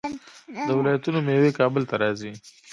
د ولایتونو میوې کابل ته راځي.